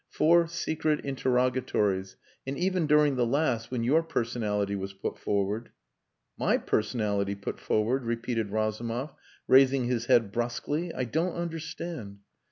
Four secret interrogatories and even during the last, when your personality was put forward...." "My personality put forward?" repeated Razumov, raising his head brusquely. "I don't understand."